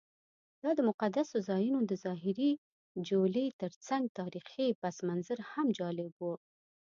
دا د مقدسو ځایونو د ظاهري جولې ترڅنګ تاریخي پسمنظر هم جالب و.